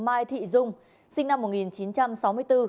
mai thị dung sinh năm một nghìn chín trăm sáu mươi bốn